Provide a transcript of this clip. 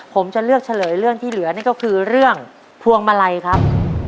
ผมจะเลือกเฉลยเรื่องที่เหลือนั่นก็คือเรื่องพวงมาลัยครับ